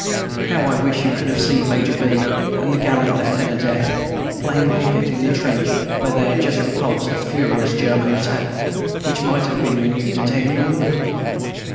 How I wish you could have seen Major B. and the gallant Lieutenant F. playing piquet in the trench where they had just repulsed a furious German attack, which might have been renewed at any moment!